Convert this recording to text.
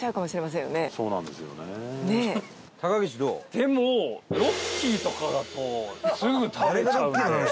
でも、ロッキーとかだとすぐ食べちゃうんで。